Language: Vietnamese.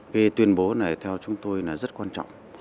cái tuyên bố này theo chúng tôi là rất quan trọng